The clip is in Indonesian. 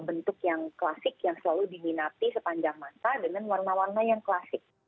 bentuk yang klasik yang selalu diminati sepanjang masa dengan warna warna yang klasik